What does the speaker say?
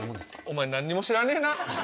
お前何にも知らねえな。